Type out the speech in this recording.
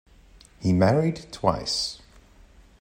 He married twice.